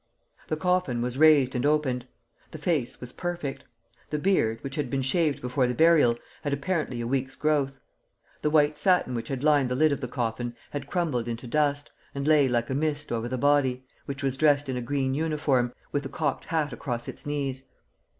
The coffin was raised and opened. The face was perfect. The beard, which had been shaved before the burial, had apparently a week's growth. The white satin which had lined the lid of the coffin had crumbled into dust, and lay like a mist over the body, which was dressed in a green uniform, with the cocked hat across its knees.